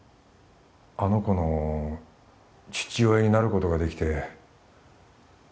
あの子の父親になることができて